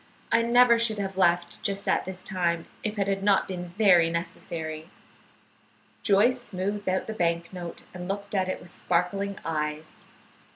I never should have left just at this time if it had not been very necessary." Joyce smoothed out the bank note and looked at it with sparkling eyes.